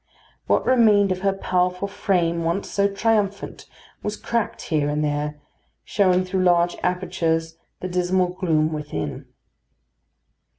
What remained of her powerful frame, once so triumphant, was cracked here and there, showing through large apertures the dismal gloom within.